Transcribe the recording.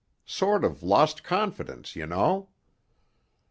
Sort of lost confidence, you know.'